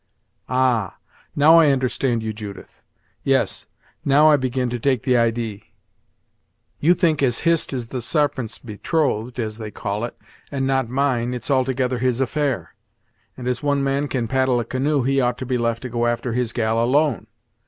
"Ah now I understand you, Judith yes, now I begin to take the idee. You think as Hist is the Sarpent's betrothed, as they call it, and not mine, it's altogether his affair; and as one man can paddle a canoe he ought to be left to go after his gal alone!